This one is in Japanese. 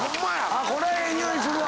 これはええにおいするわ。